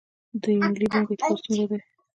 د ملي بانک اعتبار څومره دی؟